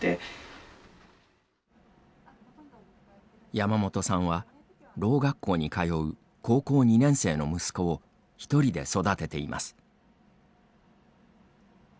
山本さんは、ろう学校に通う高校２年生の息子を１人で育てています。